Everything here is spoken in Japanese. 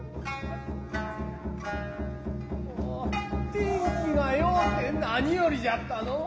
天気がようて何よりじゃったのう。